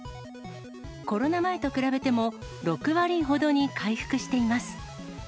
コロナ前と比べても６割ほどに回復しています。